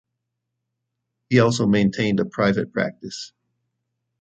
He also maintained a private practice.